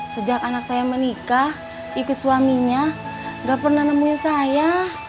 sejak anak saya menikah ikut suaminya gak pernah nemuin saya